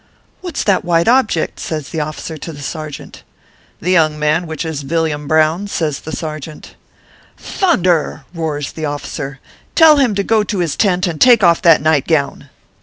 " What s that white object ?" says the officer to the sergeant. " The young man which is Villiam Brown," says the sergeant. " Thunder !" roars the officer, " tell him to go to his tent, and take off that night gown